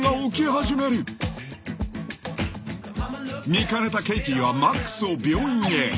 ［見かねたケイティはマックスを病院へ］